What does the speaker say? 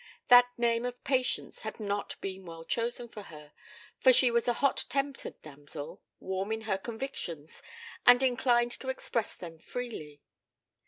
That name of Patience had not been well chosen for her for she was a hot tempered damsel, warm in her convictions, and inclined to express them freely.